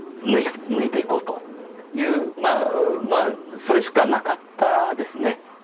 それしかなかったですね